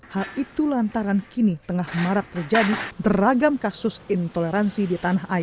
hal itu lantaran kini tengah marak terjadi beragam kasus intoleransi ditandatangani